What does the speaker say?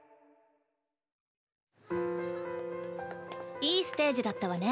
いいステージだったわね。